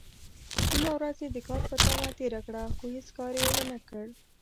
نيمه ورځ يې د کار په تمه تېره کړه، خو هيڅ کار يې ونکړ.